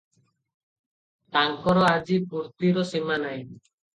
ତାଙ୍କର ଆଜି ଫୁର୍ତ୍ତିର ସୀମାନାହିଁ ।